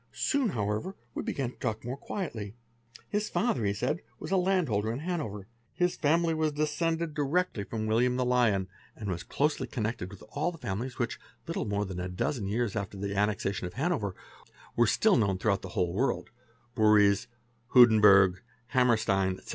rg Soon however we began to talk more quietly. His father, he sa was a land holder in Hanover; his family was descended directly fr FALSE NAMES 307 William the Lion, and was closely connected with all the families which, little more than a dozen years after the annexation of Hanover, were still known throughout the whole world (Borries, Hodenberg, Hammerstein, etc).